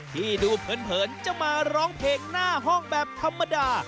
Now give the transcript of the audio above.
ที่ดูเผินจะมาร้องเพลงหน้าห้องแบบธรรมดา